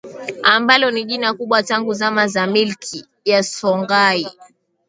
ambalo ni jina kubwa tangu zama za milki ya Songhai